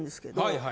はい。